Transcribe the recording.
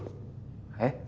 えっ？